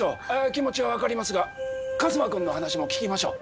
気持ちは分かりますがカズマ君の話も聞きましょう。